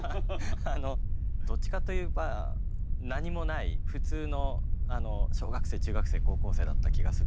どっちかといえば何もない普通の小学生中学生高校生だった気がするんですよね。